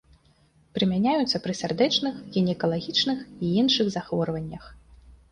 Прымяняюцца пры сардэчных, гінекалагічных і іншых захворваннях.